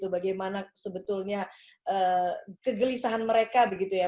bagaimana sebetulnya kegelisahan mereka begitu ya